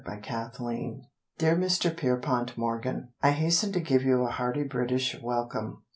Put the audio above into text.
PIERPONT MORGAN Dear Mr. Pierpont Morgan, I hasten to give you a hearty British welcome.